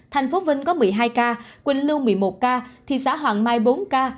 thành phố vinh có một mươi hai ca quỳnh lưu một mươi một ca thị xã hoàng mai bốn ca